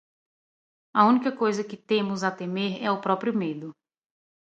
A única coisa que temos a temer é o próprio medo.